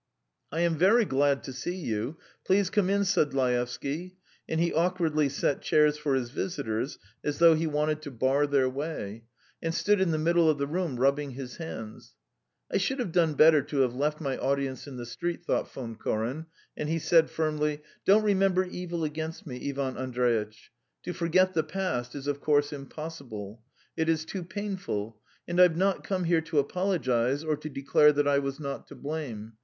"I am very glad to see you. ... Please come in," said Laevsky, and he awkwardly set chairs for his visitors as though he wanted to bar their way, and stood in the middle of the room, rubbing his hands. "I should have done better to have left my audience in the street," thought Von Koren, and he said firmly: "Don't remember evil against me, Ivan Andreitch. To forget the past is, of course, impossible it is too painful, and I've not come here to apologise or to declare that I was not to blame.